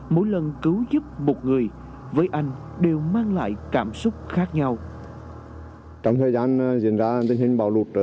mỗi lần cứu giúp một người với anh đều mang lại cảm xúc khác nhau